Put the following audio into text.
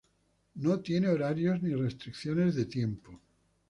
No tiene horarios, ni restricción de tiempo.